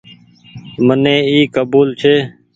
مني اي ڪبول ڇي ۔